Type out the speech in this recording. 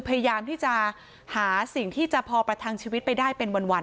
พยายามที่จะหาสิ่งที่จะพอประทังชีวิตไปได้เป็นวัน